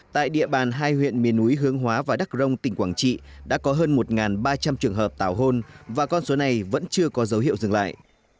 tại địa bàn hai huyện miền núi hướng hóa và đắk rông tỉnh quảng trị đã có hơn một ba trăm linh trường hợp tảo hôn và con số này vẫn chưa có dấu hiệu dừng lại